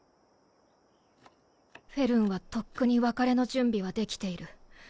フェルンはとっくに別れの準備はできている。